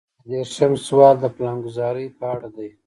اته دېرشم سوال د پلانګذارۍ په اړه دی.